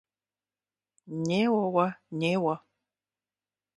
Неуэ уэ, неуэ.